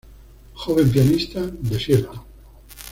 Joven Pianista: Desierto.